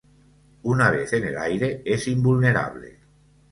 Una vez en el aire, es invulnerable.